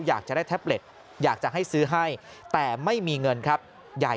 อยากจะได้แท็บเล็ตอยากจะให้ซื้อให้แต่ไม่มีเงินครับใหญ่